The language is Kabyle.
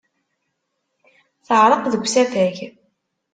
Teɛreq deg usafag.